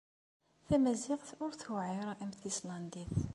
Tamaziɣt ur tewɛiṛ am tislandit.